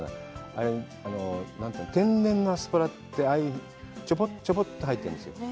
あれ、天然のアスパラって、ちょぼっ、ちょぼっと生えているんですよ。